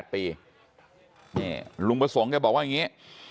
ลุงประสงค์แกบอกว่าอย่างนี้